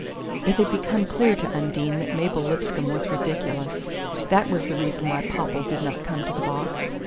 It had become clear to Undine that Mabel Lipscomb was ridiculous. That was the reason why Popple did not come to the box.